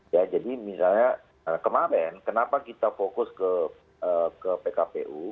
ya jadi misalnya kemarin kenapa kita fokus ke pkpu